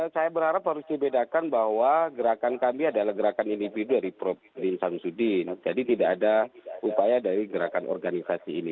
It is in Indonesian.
saya berharap harus dibedakan bahwa gerakan kami adalah gerakan individu dari prof din samsudin jadi tidak ada upaya dari gerakan organisasi ini